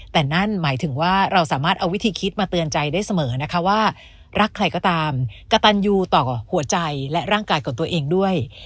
แต่นั่นหมายถึงว่าเราสามารถเอาวิธีคิดมาเตือนใจได้เสมอนะคะว่ารักใครก็ตามกระตันยูต่อหัวใจและร่างกายของตัวเองด้วย